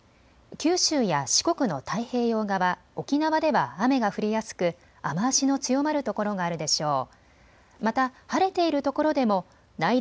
九州や四国の太平洋側、沖縄では雨が降りやすく雨足の強まる所があるでしょう。